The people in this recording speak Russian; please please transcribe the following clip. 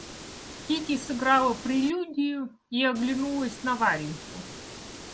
Кити сыграла прелюдию и оглянулась на Вареньку.